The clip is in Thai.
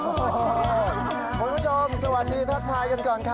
คุณผู้ชมสวัสดีทักทายกันก่อนค่ะ